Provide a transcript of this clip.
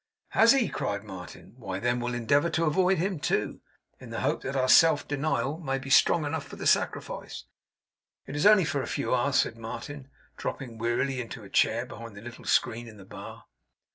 'Has he?' cried Martin, 'why then we'll endeavour to avoid him too, in the hope that our self denial may be strong enough for the sacrifice. It is only for a few hours,' said Martin, dropping wearily into a chair behind the little screen in the bar.